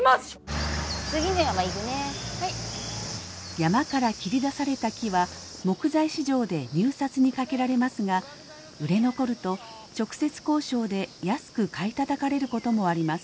山から切り出された木は木材市場で入札にかけられますが売れ残ると直接交渉で安く買いたたかれることもあります。